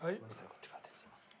こちらにすいません。